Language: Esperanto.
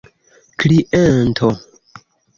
kliento